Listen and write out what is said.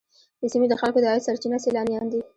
د سیمې د خلکو د عاید سرچینه سیلانیان دي.